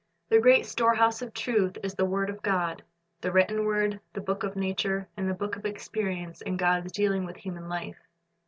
The great storehouse of truth is the word of God, — the written word, the book of nature, and the book of experience in God's dealing with human life.